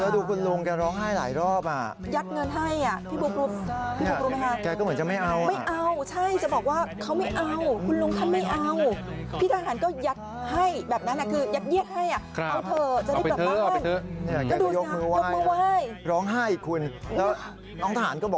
อีกมุมหนึ่งก็สงสารคุณลุงร้องไห้เลยแล้วคุณลุงพิการโดนรถตู้ใจดำทิ้งไห้เลย